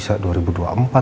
saya tahu pak